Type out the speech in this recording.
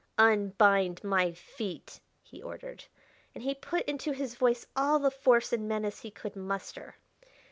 "Unbind my feet!" he ordered, and he put into his voice all the force and menace he could muster.